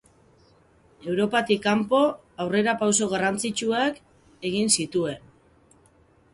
Europatik kanpo, aurrerapauso garrantzitsuak egin zituen.